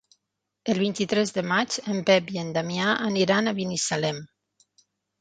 El vint-i-tres de maig en Pep i en Damià aniran a Binissalem.